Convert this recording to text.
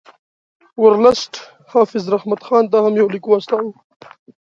ورلسټ حافظ رحمت خان ته هم لیک واستاوه.